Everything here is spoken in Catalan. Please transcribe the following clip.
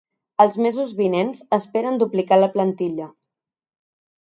Els mesos vinents esperen duplicar la plantilla.